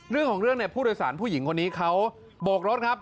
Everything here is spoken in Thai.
เรื่องของเรื่องเนี่ยผู้โดยสารผู้หญิงคนนี้เขาโบกรถครับ